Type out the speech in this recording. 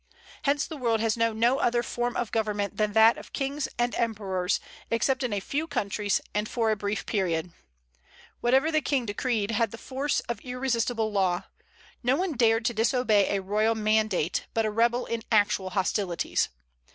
Hence the world has known no other form of government than that of kings and emperors, except in a few countries and for a brief period. Whatever the king decreed, had the force of irresistible law; no one dared to disobey a royal mandate but a rebel in actual hostilities.